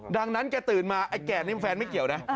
ดังนั้นแกตื่นมาไอ้แก่นี่แฟนไม่เกี่ยวนะ